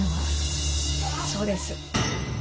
そうです。